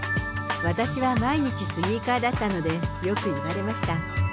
私は毎日スニーカーだったので、よく言われました。